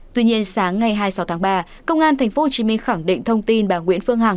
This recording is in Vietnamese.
tuy nhiên sáng ngày hai mươi sáu tháng ba công an thành phố hồ chí minh khẳng định thông tin bà nguyễn phương hằng